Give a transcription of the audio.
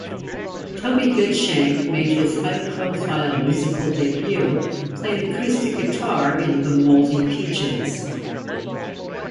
Toby Goodshank made his high-profile musical debut playing acoustic guitar in The Moldy Peaches.